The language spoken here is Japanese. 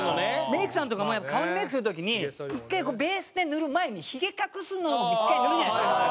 メイクさんとかもやっぱり顔にメイクする時に１回こうベースで塗る前にヒゲ隠すのも１回塗るじゃないですか。